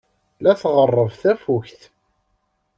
La tɣerreb tafukt.